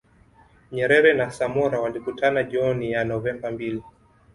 Nyerere na Samora walikutana jioni ya Novemba mbili